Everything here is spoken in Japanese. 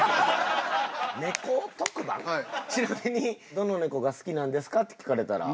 ちなみにどのネコが好きなんですか？って聞かれたら？